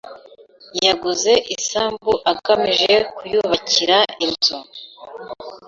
Yaguze isambu agamije kuyubakira inzu.